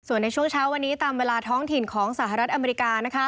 ส่วนในช่วงเช้าวันนี้ตามเวลาท้องถิ่นของสหรัฐอเมริกา